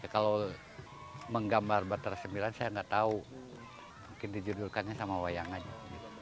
kalau menggambar batara ix saya nggak tahu mungkin dijodohkannya sama wayang aja